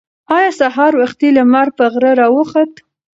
ایا سهار وختي لمر په غره راوخوت؟